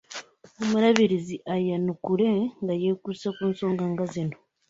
Omuluubirizi ayanukule nga yeekuusa ku nsonga nga zino